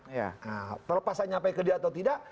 nah terlepas saya nyampe ke dia atau tidak